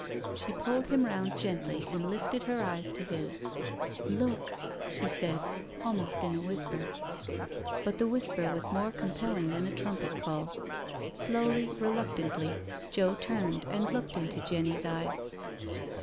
She pulled him round gently and lifted her eyes to his. " Look,'^ she said, almost in a whisper. But the whisper was more compelling than a trumpet call. Slowly, reluctantly, Joe turned and looked into Jenny's eyes.